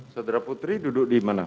saudara putri duduk di mana